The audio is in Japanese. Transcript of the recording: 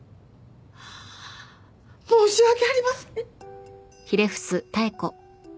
申し訳ありません。